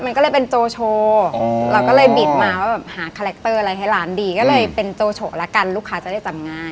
มันก็เลยเป็นโจโชว์เราก็เลยบิดมาว่าแบบหาคาแรคเตอร์อะไรให้ร้านดีก็เลยเป็นโจโฉะละกันลูกค้าจะได้จำง่าย